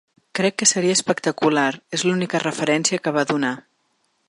Crec que seria espectacular, és l’única referència que va donar.